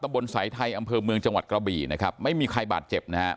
บนสายไทยอำเภอเมืองจังหวัดกระบี่นะครับไม่มีใครบาดเจ็บนะฮะ